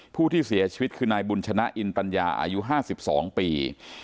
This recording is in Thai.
ผู้ที่เสียชีวิตคือนายบุญชนะอินปัญญาอายุ๕๒ปี